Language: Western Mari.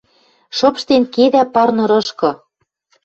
Шыпштен кедӓ пар нырышкы.